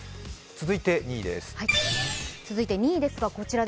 続いて、２位です。